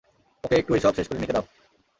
ওকে একটু এইসব শেষ করে নিতে দাও।